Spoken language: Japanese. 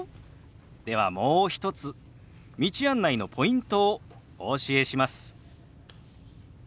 ではもう一つ道案内のポイントをお教えします。